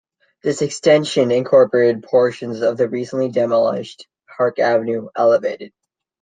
This extension incorporated portions of the recently demolished Park Avenue Elevated.